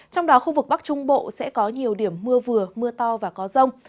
trong đó khu vực bắc trung bộ sẽ có nhiều điểm mưa vừa mưa to và có rông